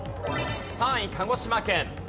３位鹿児島県。